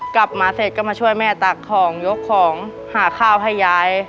กลับมาเสร็จก็มาช่วยแม่ตักของยกของหาข้าวให้ยาย